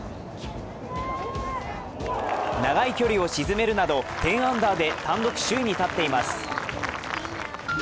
長い距離を沈めるなど１０アンダーで単独首位に立っています。